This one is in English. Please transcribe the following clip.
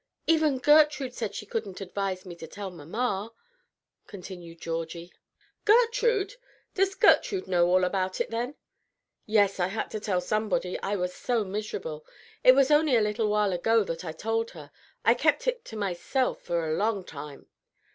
"Even Gertrude said she couldn't advise me to tell mamma," continued Georgie. "Gertrude! Does Gertrude know about it then?" "Yes; I had to tell somebody, I was so miserable. It was only a little while ago that I told her. I kept it to myself for a long time."